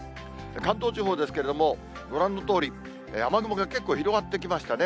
関東地方ですけれども、ご覧のとおり雨雲が結構広がってきましたね。